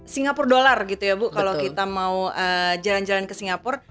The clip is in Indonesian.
singapura dollar gitu ya bu kalau kita mau jalan jalan ke singapura